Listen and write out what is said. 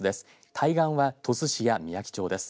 対岸は鳥栖市やみやき町です。